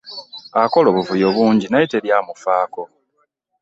Akola obuvuyo bungi naye teri amufaako.